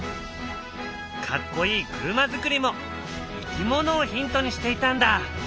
かっこいい車づくりもいきものをヒントにしていたんだ。